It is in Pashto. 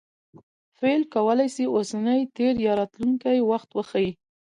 فعل کولای سي اوسنی، تېر یا راتلونکى وخت وښيي.